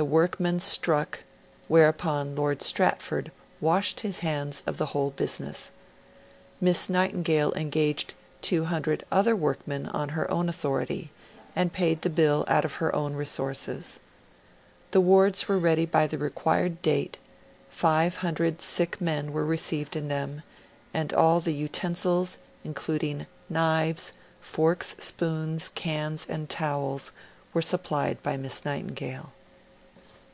The workmen struck; whereupon Lord Stratford washed his hands of the whole business. Miss Nightingale engaged 200 other workmen on her own authority, and paid the bill out of her own resources. The wards were ready by the required date; 500 sick men were received in them; and all the utensils, including knives, forks, spoons, cans and towels, were supplied by Miss Nightingale.